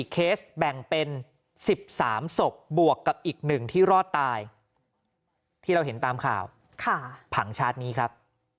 เคสแบ่งเป็น๑๓ศพบวกกับอีก๑ที่รอดตายที่เราเห็นตามข่าวผังชาร์จนี้ครับ